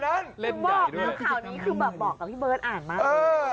คำข้าวนี้คือบอกพี่เบิ้นอ่านมากเลย